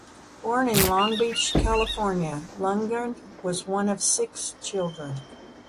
Born in Long Beach, California, Lundgren was one of six children.